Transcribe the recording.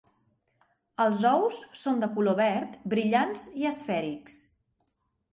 Els ous són de color verd, brillants i esfèrics.